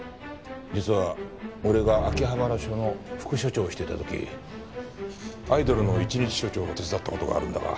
実は俺が秋葉原署の副署長をしていた時アイドルの一日署長を手伝った事があるんだが。